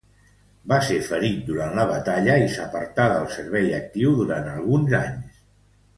Va ser ferit durant la batalla i s'apartà del servei actiu durant alguns anys.